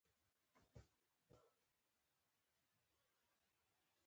څلور ځوابه پوښتنې هر سم ځواب یوه نمره لري